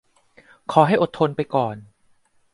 ขอให้อดทนไปก่อน